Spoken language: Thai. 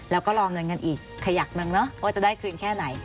แล้วก็รอเงินกันอีกขยักหนึ่งเนอะว่าจะได้คืนแค่ไหน